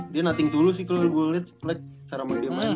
dia nothing to lose sih kalo gua liat cara dia main tuh